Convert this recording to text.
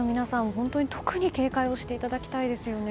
本当に特に警戒をしていただきたいですね。